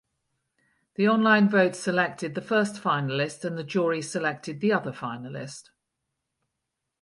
The online vote selected the first finalist and the jury selected the other finalist.